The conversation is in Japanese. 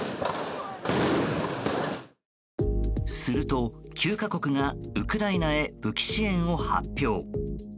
すると、９か国がウクライナへ武器支援を発表。